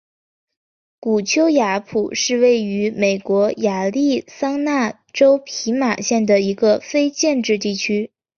古丘亚普是位于美国亚利桑那州皮马县的一个非建制地区。